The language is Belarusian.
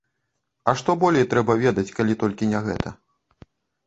А што болей трэба ведаць, калі толькі не гэта?